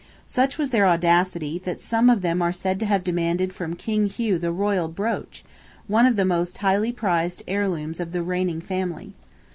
Such was their audacity, that some of them are said to have demanded from King Hugh the royal brooch, one of the most highly prized heirlooms of the reigning family.